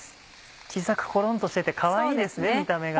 小さくコロンとしててかわいいです見た目がね。